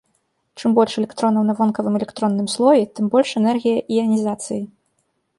Чым больш электронаў на вонкавым электронным слоі, тым больш энергія іанізацыі.